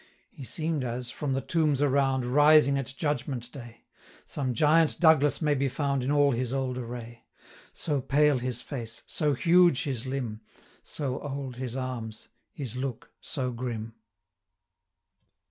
He seem'd as, from the tombs around 345 Rising at judgment day, Some giant Douglas may be found In all his old array; So pale his face, so huge his limb, So old his arms, his look so grim.